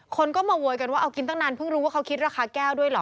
คนก็มาโวยกันว่าเอากินตั้งนานเพิ่งรู้ว่าเขาคิดราคาแก้วด้วยเหรอ